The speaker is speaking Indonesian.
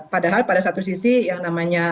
padahal pada satu sisi yang namanya